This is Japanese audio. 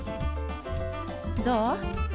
どう？